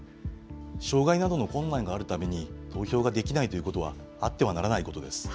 障害などの困難があるために、投票ができないということはあってはならないことです。